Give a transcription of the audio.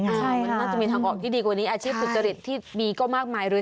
ใช่มันน่าจะมีทางออกที่ดีกว่านี้อาชีพสุจริตที่มีก็มากมายเลย